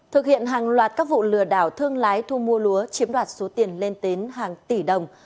thực hiện hàng loạt các vụ lừa đảo thương lái thu mua lúa chiếm đoạt số tiền lên đến hàng tỷ đồng